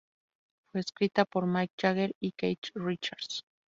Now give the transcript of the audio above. Fue escrita por Mick Jagger y Keith Richards.